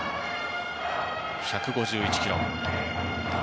１５１キロ。